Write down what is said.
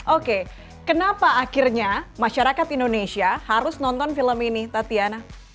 oke kenapa akhirnya masyarakat indonesia harus nonton film ini tatiana